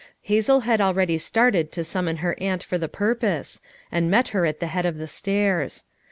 Hazel had already started to summon her aunt for the purpose, and met her at the head of the stairs.